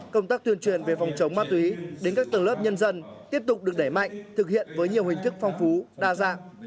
công tác tuyên truyền về phòng chống ma túy đến các tầng lớp nhân dân tiếp tục được đẩy mạnh thực hiện với nhiều hình thức phong phú đa dạng